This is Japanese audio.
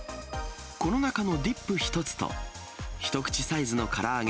この中のディップ１つと一口サイズのから揚げ